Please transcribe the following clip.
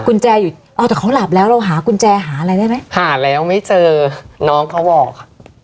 กุญแจอยู่เอาแต่เขาหลับแล้วเราหากุญแจหาอะไรได้ไหมหาแล้วไม่เจอน้องเขาบอกอ่ะ